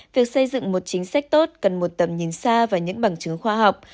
việc xây dựng một chính sách tốt cần một tầm nhìn xa và những bằng chứng khoa học